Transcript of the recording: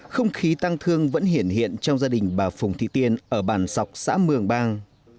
không khí tăng thương vẫn hiện hiện trong gia đình bà phùng thị tiên ở bản sọc xã mường bang